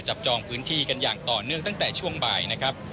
จองพื้นที่กันอย่างต่อเนื่องตั้งแต่ช่วงบ่ายนะครับ